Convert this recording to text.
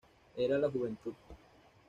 Era la juventud".